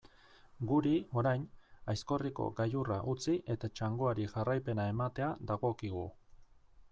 Guri, orain, Aizkorriko gailurra utzi eta txangoari jarraipena ematea dagokigu.